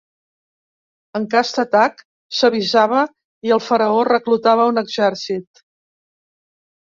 En cas d'atac, s'avisava i el faraó reclutava un exèrcit.